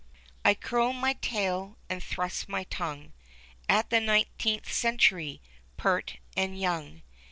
I curl my tail, and thrust my tongue At the nineteenth century, pert and young.